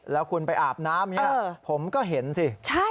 แล้วคุณไปอาบน้ำผมก็เห็นสิ